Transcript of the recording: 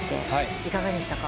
いかがでしたか？